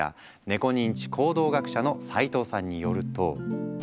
ネコ認知行動学者の齋藤さんによると。